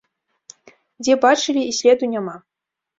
Дзе бачылі, і следу няма!